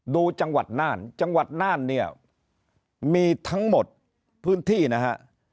ดูจังหวัดน่านจังหวัดน่านเนี่ยมีทั้งหมดพื้นที่นะฮะ